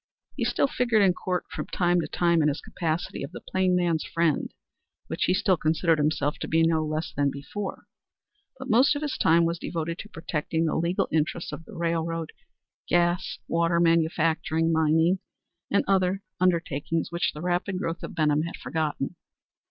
He still figured in court from time to time in his capacity of the plain man's friend, which he still considered himself to be no less than before, but most of his time was devoted to protecting the legal interests of the railroad, gas, water, manufacturing, mining and other undertakings which, the rapid growth of Benham had forgotten.